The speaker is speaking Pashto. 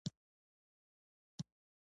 زه یې د شپون صاحب وروسته یوازې په ده کې وینم.